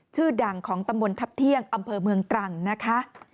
ชื่อดังของตำบลทัพเที่ยงอำเภอเมืองตรังนะคะ